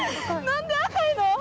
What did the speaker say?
何で赤いの？